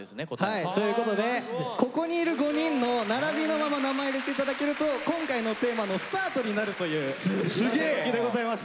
はいということでここにいる５人の並びのまま名前入れて頂けると今回のテーマの「ＳＴＡＲＴ」になるという謎解きでございました。